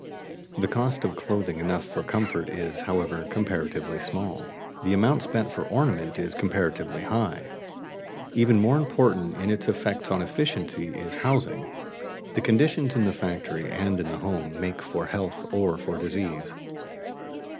The cost of clothing enough for comfort is, however, comparatively small, the amount spent for ornament is comparatively high. Even more important in its effects on efficiency is housing. The conditions in the factory and in the home make for health or for disease.